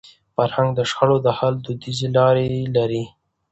فرهنګ د شخړو د حل دودیزي لارې لري.